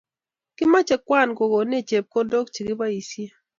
Kimoche Kwan kokonech chepkondok che kiboisie